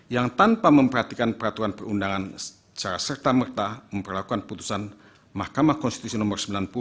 yang tanpa memperhatikan peraturan perundangan secara serta merta memperlakukan putusan mahkamah konstitusi nomor sembilan puluh